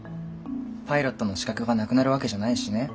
パイロットの資格がなくなるわけじゃないしね。